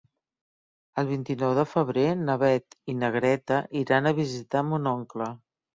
El vint-i-nou de febrer na Beth i na Greta iran a visitar mon oncle.